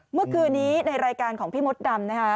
เมื่อคืนนี้ในรายการของพี่มดดำนะคะ